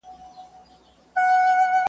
ښکاري زرکه .